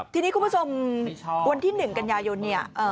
ทีนี้คุณผู้ชมวันที่๑กันยายนเนี่ย